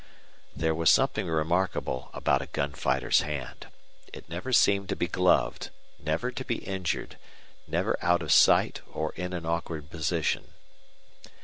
There was something remarkable about a gun fighter's hand. It never seemed to be gloved, never to be injured, never out of sight or in an awkward position.